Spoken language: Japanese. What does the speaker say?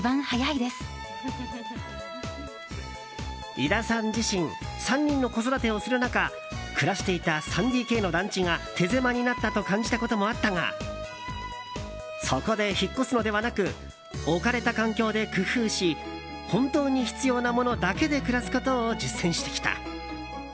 井田さん自身３人の子育てをする中暮らしていた３ＤＫの団地が手狭になったと感じたこともあったがそこで引っ越すのではなく置かれた環境で工夫し本当に必要なものだけで暮らすことを実践してきた。